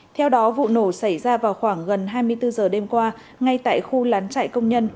theo đó vụ nổ xảy ra vào khoảng gần hai mươi bốn giờ đêm qua ngay tại khu lán chạy công nhân